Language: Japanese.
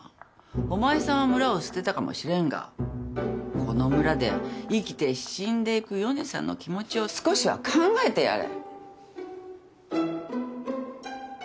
お前さんは村を捨てたかもしれんがこの村で生きて死んでいくヨネさんの気持ちを少しは考えてやれ。